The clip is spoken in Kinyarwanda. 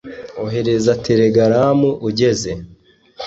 Ohereza telegaramu ugeze